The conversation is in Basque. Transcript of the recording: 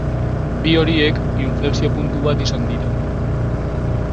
Bi horiek inflexio-puntu bat izan dira.